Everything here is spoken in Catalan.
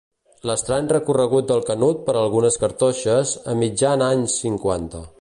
L'estrany recorregut del Canut per algunes cartoixes a mitjan anys cinquanta.